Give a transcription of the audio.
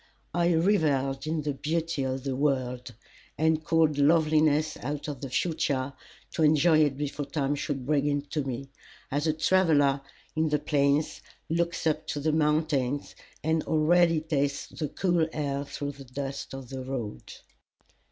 I revelled in the beauty of the world, and called loveliness out of the future to enjoy it before time should bring it to me, as a traveller in the plains looks up to the mountains, and already tastes the cool air through the dust of the road.